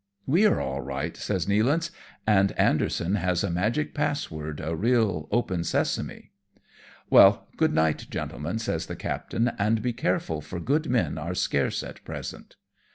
" We are all right," says Nealance, " and Anderson has a magic password, a real open sesame." SHANGHAI AGAIN. 83 " Well, good nightj gentlemen," says the captain, " and be careful, for good men are scarce at present."